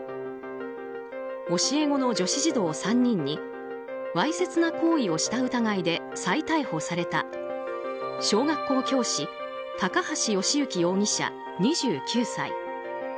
教え子の女子児童３人にわいせつな行為をした疑いで再逮捕された小学校教師高橋慶行容疑者、２９歳。